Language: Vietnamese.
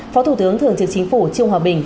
phó thủ tướng thường trực chính phủ trương hòa bình